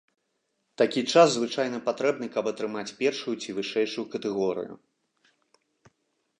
Такі час звычайна патрэбны, каб атрымаць першую ці вышэйшую катэгорыю.